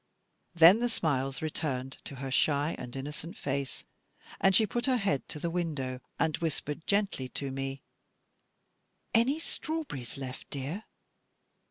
Then the smiles returned to her shy and innocent face, and she put her head to the window, and whispered gently to me: "Any strawberries left, dear?"